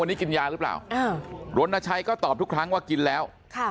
วันนี้กินยาหรือเปล่ารณชัยก็ตอบทุกครั้งว่ากินแล้ว